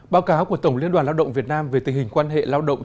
báo cáo của tổng liên đoàn lao động việt nam về tình hình quan hệ lao động